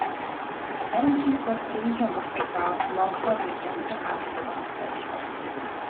Харин тэд бол гэрийнхээ босгыг даваад монголоор ярьж амьдрах арга мухардах байдалд ордог юм.